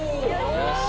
よし！